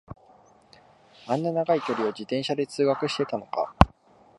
あんな長い距離を自転車で通学してたのか